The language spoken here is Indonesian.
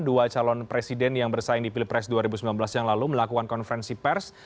dua calon presiden yang bersaing di pilpres dua ribu sembilan belas yang lalu melakukan konferensi pers